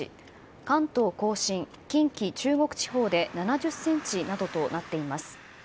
関東・甲信、近畿、中国地方で７０ｃｍなどとなっています。